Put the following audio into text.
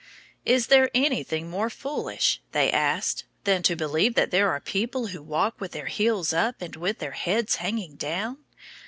"Is there anything more foolish," they asked, "than to believe that there are people who walk with their heels up and with their heads hanging down?"